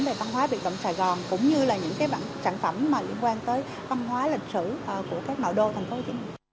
về văn hóa biệt động sài gòn cũng như là những sản phẩm liên quan tới văn hóa lịch sử của các nội đô thành phố hồ chí minh